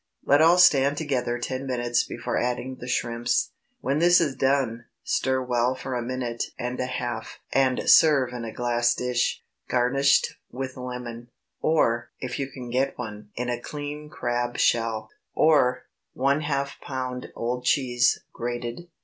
Let all stand together ten minutes before adding the shrimps. When this is done, stir well for a minute and a half and serve in a glass dish, garnished with lemon, or (if you can get one) in a clean crab shell. Or, ✠ ½ lb. old cheese, grated.